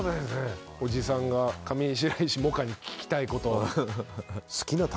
おじさんが上白石萌歌に聞きたいこと。